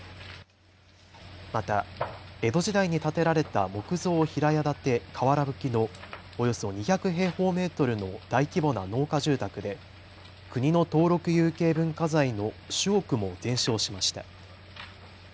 また江戸時代に建てられた木造平屋建て瓦ぶきのおよそ２００平方メートルの大規模な農家住宅で国の登録有形文化財の主屋も全焼しました。